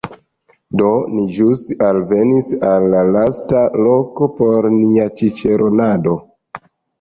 Do, ni ĵus alvenis al la lasta loko por nia ĉiĉeronado